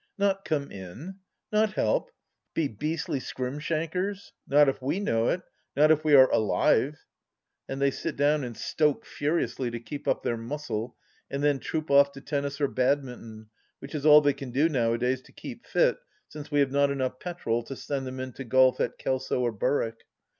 ..." Not come in ? Not help ? Be beastly skrimshankers ? Not if we know it 1 Not if we are alive 1 " And they sit down and stoke furiously to keep up their muscle, and then troop off to tennis or badminton, which is all they can do nowadays to keep fit, since we have not enough petrol to send them in to golf at Kelso or Berwick.